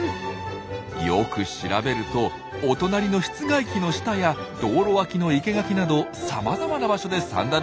よく調べるとお隣の室外機の下や道路脇の生け垣などさまざまな場所でサンダルが見つかりました。